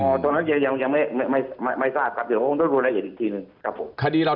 ตรงนั้นที่ยังไม่ทราบครับต้องดูรายละเอียดอีกทีนึงครับผม